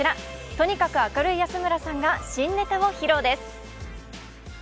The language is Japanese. とにかく明るい安村さんが新ネタを披露です。